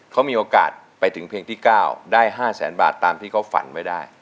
เขามีโอกาสไปถึงเพลงที่๙ได้๕แสนบาทตามที่เขาฝันไว้ได้